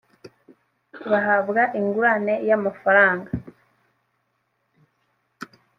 bahabwa ingurane y amafaranga